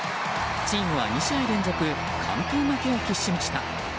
チームは２試合連続完封負けを喫しました。